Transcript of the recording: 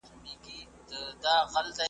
هغو وژلي هغوی تباه کړو `